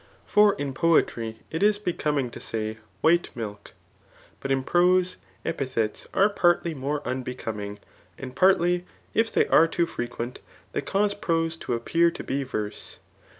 For in poetry it is becoming to say, white* milk. But in prose, epithets are partly more unbe coming, and partly, if they are too frequent, they cause prose to appear to be verse.